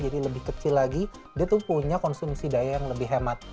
jadi lebih kecil lagi dia tuh punya konsumsi daya yang lebih hemat